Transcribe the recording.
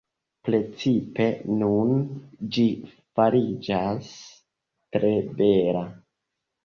Precipe nun ĝi fariĝas tre bela.